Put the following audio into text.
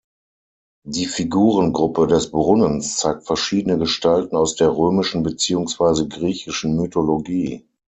Die Figurengruppe des Brunnens zeigt verschiedene Gestalten aus der römischen beziehungsweise griechischen Mythologie.